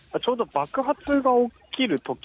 爆発が起きるとき。